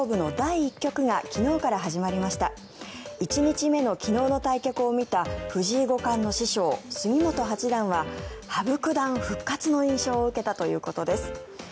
１日目の昨日の対局を見た藤井五冠の師匠、杉本八段は羽生九段復活の印象を受けたということです。